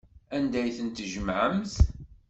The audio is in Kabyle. Anda ay ten-tjemɛemt?